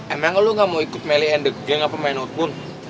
emang lo gak mau ikut mele endek jeng apa main out pun